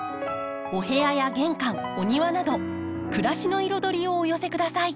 お部屋や玄関お庭など暮らしの彩りをお寄せください。